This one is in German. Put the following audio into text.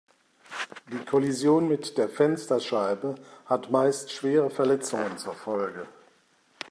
Die Kollision mit der Fensterscheibe hat meist schwere Verletzungen zur Folge.